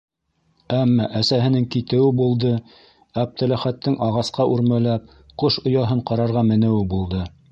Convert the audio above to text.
- Әммә әсәһенең китеүе булды, Әптеләхәттең ағасҡа үрмәләп, ҡош ояһын ҡарарға менеүе булды.